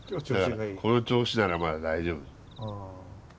この調子ならまだ大丈夫。